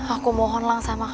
aku mau ke rumah